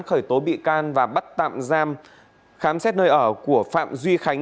khởi tố bị can và bắt tạm giam khám xét nơi ở của phạm duy khánh